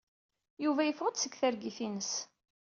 Yuba yefeɣ-d seg targit-ines.